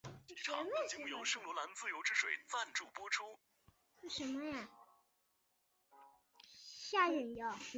而在内部档案中也有不少其他角色造成的存档。